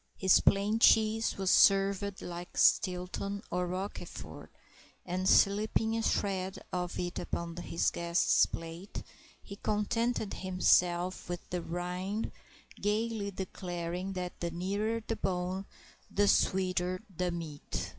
His plain cheese was served like Stilton or Roquefort, and slipping a shred of it upon his guest's plate, he contented himself with the rind, gayly declaring that the nearer the bone the sweeter the meat.